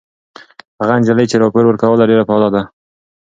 هغه نجلۍ چې راپور ورکوي ډېره فعاله ده.